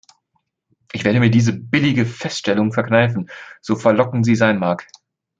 Ich werde mir diese billige Feststellung verkneifen, so verlockend sie sein mag.